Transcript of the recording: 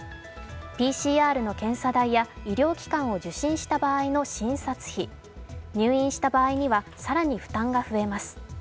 ＰＣＲの検査代や医療機関を受診した場合の診察費、入院した場合には更に負担が増えます。